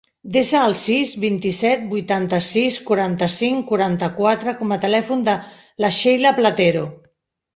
Desa el sis, vint-i-set, vuitanta-sis, quaranta-cinc, quaranta-quatre com a telèfon de la Sheila Platero.